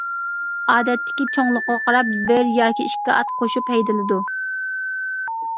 ئادەتتە چوڭلۇقىغا قاراپ بىر ياكى ئىككى ئات قوشۇپ ھەيدىلىدۇ.